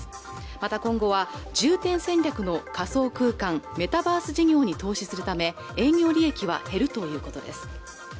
また今後は重点戦略の仮想空間メタバース事業に投資するため営業利益は減るということです